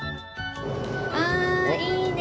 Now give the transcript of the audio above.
あっいいね！